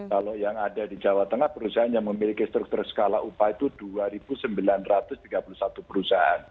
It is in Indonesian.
kalau yang ada di jawa tengah perusahaan yang memiliki struktur skala upah itu dua sembilan ratus tiga puluh satu perusahaan